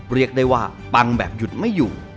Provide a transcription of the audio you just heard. เรียกได้ว่าปังแบบหยุดไม่อยู่